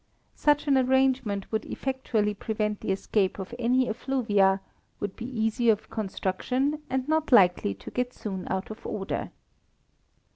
Such an arrangement would effectually prevent the escape of any effluvia, would be easy of construction, and not likely to get soon out of order.